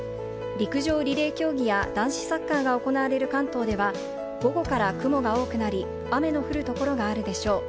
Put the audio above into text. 陸上リレー競技や男子サッカーが行われる関東では午後から雲が多くなり、雨の降る所があるでしょう。